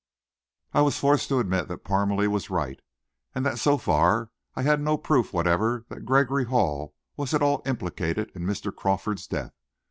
I was forced to admit that Parmalee was right, and that so far I had no proof whatever that Gregory Hall was at all implicated in Mr. Crawford's death.